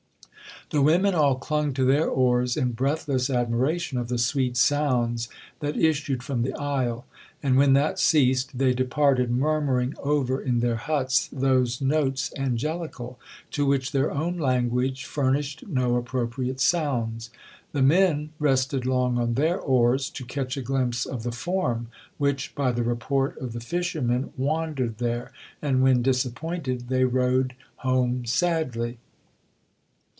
The women all clung to their oars in breathless admiration of the sweet sounds that issued from the isle; and when that ceased they departed, murmuring over in their huts those 'notes angelical,' to which their own language furnished no appropriate sounds. The men rested long on their oars, to catch a glimpse of the form which, by the report of the fishermen, wandered there; and, when disappointed, they rowed home sadly.